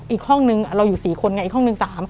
อีกห้องนึงเราอยู่๔คนไงอีกห้องนึง๓